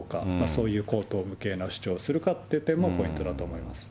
そういう荒唐無けいな主張をするかという点もポイントだと思いま